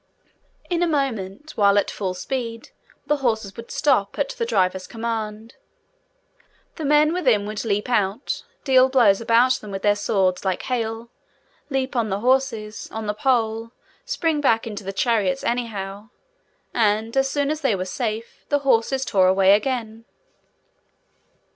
In a moment, while at full speed, the horses would stop, at the driver's command. The men within would leap out, deal blows about them with their swords like hail, leap on the horses, on the pole, spring back into the chariots anyhow; and, as soon as they were safe, the horses tore away again.